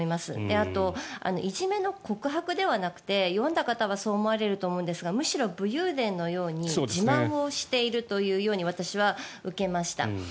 あと、いじめの告白ではなくて読んだ方はそう思われたかと思いますがむしろ武勇伝のように自慢をしているというように私は受けました。